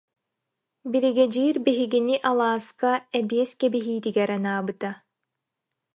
Биригэдьиир биһигини алааска эбиэс кэбиһиитигэр анаабыта